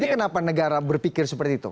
jadi kenapa negara berpikir seperti itu